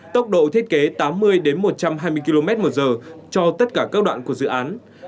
tốc độ thiết kế tám mươi một trăm hai mươi kmh cho tất cả các đoạn của dự án